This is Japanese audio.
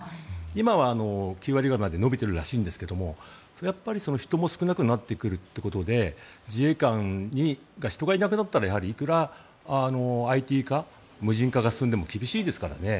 今は９割まで伸びているらしいんですが人も少なくなっているということで自衛官人がいなくなったらいくらＩＴ化、無人化が進んでも厳しいですからね。